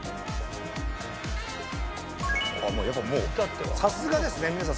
やっぱもうさすがですね皆さん。